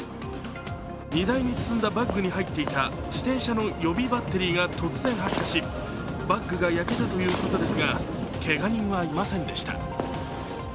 荷台に積んだバッグに入っていた自転車の予備バッテリーが突然発火しバッグが焼けたということですがけが人はいませんでした。